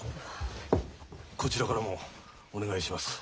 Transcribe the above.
こちらからもお願いします。